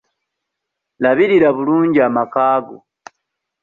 Labirira bulungi amaka go.